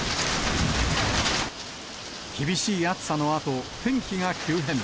厳しい暑さのあと、天気が急変。